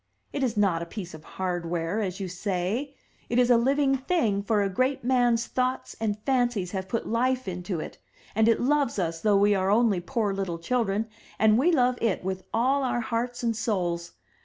It is not a piece of hardware, as you say; it is a living thing, for a great man's thoughts and fancies have put life into it, and it loves us though we are only poor little children, and we love it with all our hearts and souls!